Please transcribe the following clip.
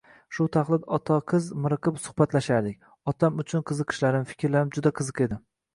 Shu taxlit ota-qiz miriqib suhbatlashardik, otam uchun qiziqishlarim, fikrlarim juda qiziq edi